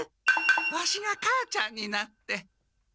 ワシが母ちゃんになって。